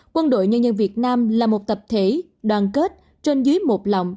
quân đội nhân dân việt nam là một tập thể đoàn kết trên dưới một lòng